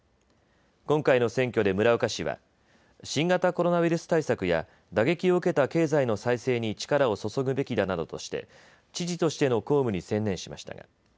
今回の選挙で村岡氏は新型コロナウイルス対策や打撃を受けた経済の再生に力を注ぐべきだなどとして知事としての公務に専念しました。